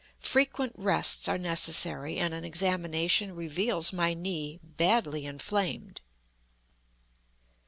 Frequent rests are necessary, and an examination reveals my knee badly inflamed.